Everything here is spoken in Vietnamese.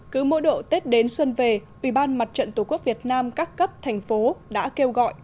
cứ mỗi độ tết đến xuân về ubnd tqvn các cấp thành phố đã kêu gọi